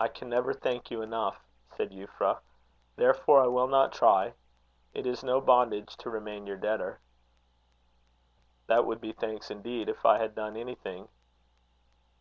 "I can never thank you enough," said Euphra; "therefore I will not try. It is no bondage to remain your debtor." "That would be thanks indeed, if I had done anything."